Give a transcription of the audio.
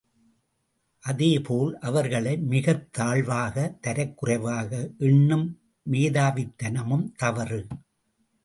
அதே போல் அவர்களை மிகத் தாழ்வாக தரக்குறைவாக எண்ணும் மேதாவித்தனமும் தவறு.